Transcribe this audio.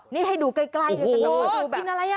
นี่ให้ดูใกล้อยู่ในนั้นโอ้โหดูแบบ